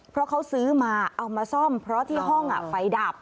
เพราะเขาซื้อมาเอามาซ่อมเพราะที่ห้องไฟดับ